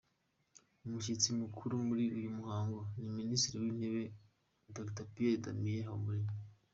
Umushyitsi mukuru muri uyu muhango ni Minisitiri w’Intebe Dr Pierre Damien Habumuremyi.